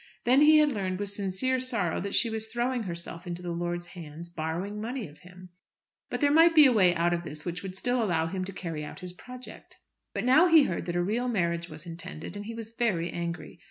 Then he had learned with sincere sorrow that she was throwing herself into the lord's hands, borrowing money of him. But there might be a way out of this which would still allow him to carry out his project. But now he heard that a real marriage was intended, and he was very angry.